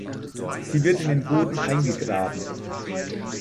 Sie wird in den Boden eingegraben.